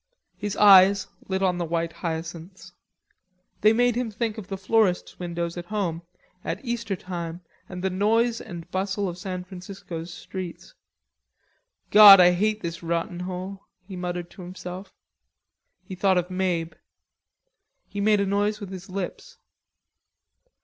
His eyes lit on the white hyacinths. They made him think of florists' windows at home at Eastertime and the noise and bustle of San Francisco's streets. "God, I hate this rotten hole," he muttered to himself. He thought of Mabe. He made a noise with his lips.